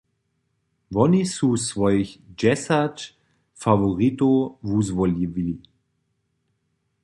Woni su swojich dźesać faworitow wuzwolili.